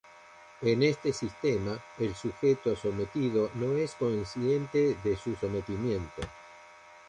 En este sistema, el sujeto sometido no es consciente de su sometimiento.